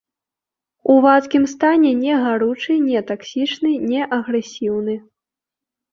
У вадкім стане не гаручы, не таксічны, не агрэсіўны.